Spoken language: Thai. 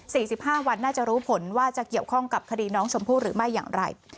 สี่สิบห้าวันน่าจะรู้ผลว่าจะเกี่ยวข้องกับคดีน้องชมพู่หรือไม่อย่างไร